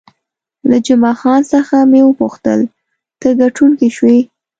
له جمعه خان څخه مې وپوښتل، ته ګټونکی شوې؟